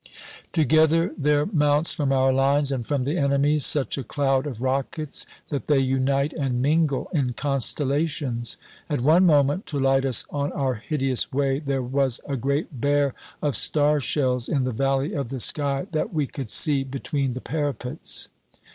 Together there mounts from our lines and from the enemy's such a cloud of rockets that they unite and mingle in constellations; at one moment, to light us on our hideous way, there was a Great Bear of star shells in the valley of the sky that we could see between the parapets.